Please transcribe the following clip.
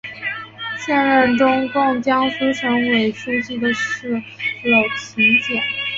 现任中共江苏省委书记是娄勤俭。